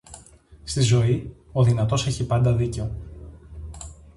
Στη ζωή, ο δυνατός έχει πάντα δίκιο